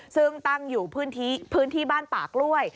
ซึ่งตั้งอยู่พื้นที่พื้นที่บ้านปากล้วย